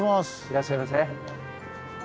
いらっしゃいませ。